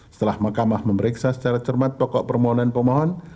setelah mahkamah memeriksa secara cermat pokok permohonan pemohon